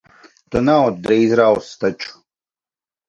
Tu naudu drīz rausi taču.